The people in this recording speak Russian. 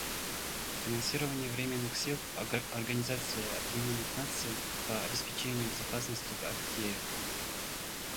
Финансирование Временных сил Организации Объединенных Наций по обеспечению безопасности в Абьее.